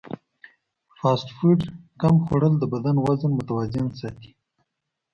فاسټ فوډ کم خوړل د بدن وزن متوازن ساتي.